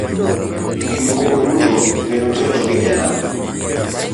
Gik moko duto kendo tero gi e nam.